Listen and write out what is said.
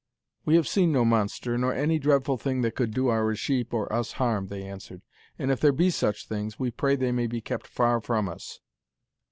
'We have seen no monster, nor any dreadful thing that could do our sheep or us harm,' they answered, 'and if there be such things, we pray they may be kept far from us.'